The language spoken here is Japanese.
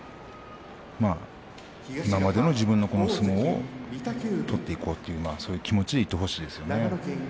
今までの自分の相撲を取っていこうというそういう気持ちでいってほしいと思います。